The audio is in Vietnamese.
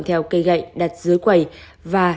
theo cây gậy đặt dưới quầy và